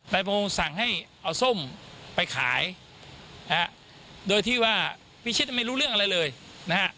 พงศ์สั่งให้เอาส้มไปขายนะฮะโดยที่ว่าพิชิตไม่รู้เรื่องอะไรเลยนะฮะ